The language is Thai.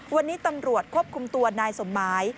วันนี้ตำรวจควบคุมตัวนายสมหมาย